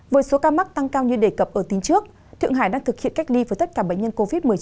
với số ca mắc tăng cao như đề cập ở tính trước thượng hải đang thực hiện cách ly với tất cả bệnh nhân covid một mươi chín